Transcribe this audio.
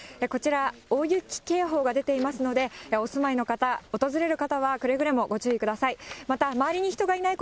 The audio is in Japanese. こちら、大雪警報が出ていますので、お住まいの方、訪れる方は、くれぐれもご注意ください。